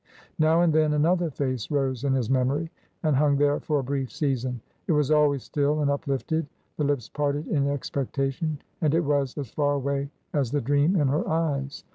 Now and then another face rose in his memory and hung there for a brief season. It was always still and uplifted, the lips parted in ex pectation, and it was as far away as the dream in her eyes.